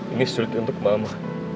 ini sulit untuk mama